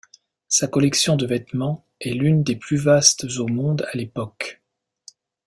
Sa collection de vêtements est l'une des plus vastes au monde à l'époque.